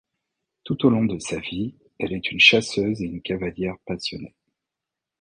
Tout au long de sa vie, elle est une chasseuse et une cavalière passionnée.